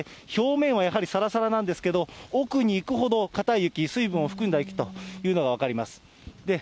表面はやはりさらさらなんですけれども、奥に行くほど固い雪、水分を含んだ雪というのが分かります。